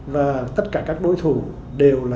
và tất cả các đối thủ đều là